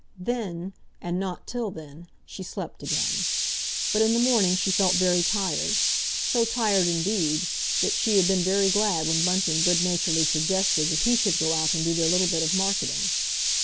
Then, and not till then, she slept again. But in the morning she felt very tired, so tired indeed, that she had been very glad when Bunting good naturedly suggested that he should go out and do their little bit of marketing.